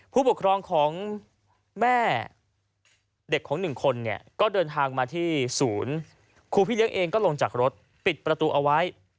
ผู้ปกครองของแม่เด็กของหนึ่งคนเนี่ยก็เดินทางมาที่ศูนย์ครูพี่เลี้ยงเองก็ลงจากรถปิดประตูเอาไว้